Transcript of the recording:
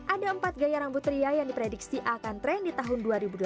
ada empat gaya rambut ria yang diprediksi akan tren di tahun dua ribu delapan belas